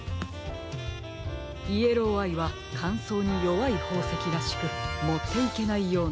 イエローアイはかんそうによわいほうせきらしくもっていけないようなので。